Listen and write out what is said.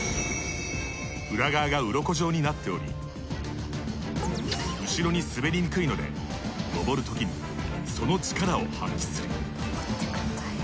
裏側が鱗状になっており後ろに滑りにくいので登るときにその力を発揮する。